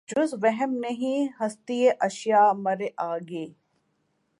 جز وہم نہیں ہستیٔ اشیا مرے آگے